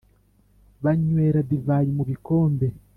banywera divayi mu bikombe,